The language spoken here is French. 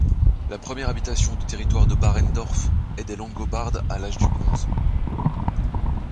La première habitation du territoire de Barendorf est des Langobards à l'âge du bronze.